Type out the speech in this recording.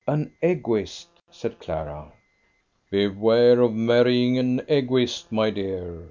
"An Egoist!" said Clara. "Beware of marrying an Egoist, my dear!"